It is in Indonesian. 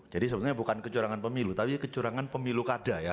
jadi sebenarnya bukan kecurangan pemilu tapi kecurangan pemilu kada ya